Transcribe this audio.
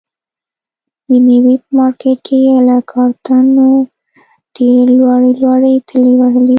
د مېوې په مارکېټ کې یې له کارتنو ډېرې لوړې لوړې ټلې وهلې وي.